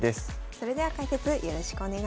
それでは解説よろしくお願いします。